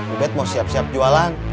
ubed mau siap siap jualan